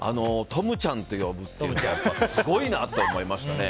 トムちゃんって呼ぶってすごいなって思いましたね。